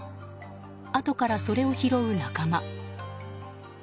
あとからそれを拾う仲間。